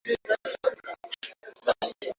Raisi wa inchi ana letaka salama mu jamuri yake